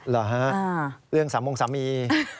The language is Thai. เหรอฮะเรื่องสามงสามี